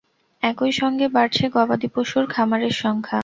একই সঙ্গে বাড়ছে গবাদিপশুর খামারের সংখ্যা।